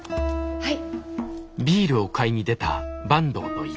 はい。